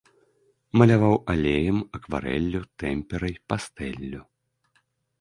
Маляваў алеем, акварэллю, тэмперай, пастэллю.